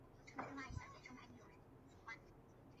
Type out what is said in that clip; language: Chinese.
其剩下的两名力士搬到了桐山马厩。